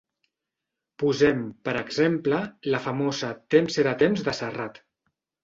Posem, per exemple, la famosa «Temps era temps» de Serrat.